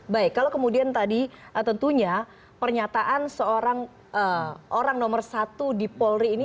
baik kalau kemudian tadi tentunya pernyataan seorang orang nomor satu di polri ini